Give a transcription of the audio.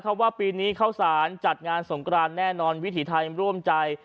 เพราะว่าปีนี้เข้าสารจัดงานสงกรานแน่นอนวิถีไทยร่วมใจ